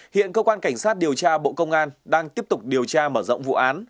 hiện cơ quan cảnh sát điều tra bộ công an đang tiếp tục điều tra mở rộng vụ án